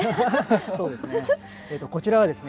そうですね。